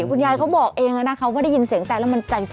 คุณยายเขาบอกเองนะคะว่าได้ยินเสียงแตนแล้วมันใจสั